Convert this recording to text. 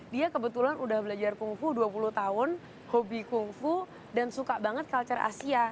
dia kebetulan udah belajar kung fu dua puluh tahun hobi kung fu dan suka banget culture asia